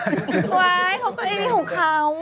ไว้เขาก็ยินดีของเขา